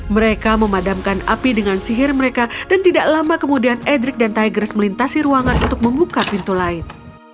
mereka memadamkan api dengan sihir mereka dan tidak lama kemudian edric dan tigers melintasi ruangan untuk membuka pintu lain